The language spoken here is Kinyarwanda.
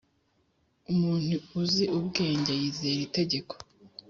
Umuntu uzi ubwenge yizera itegeko,